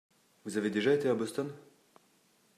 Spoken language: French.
Vous avez déjà été à Boston ?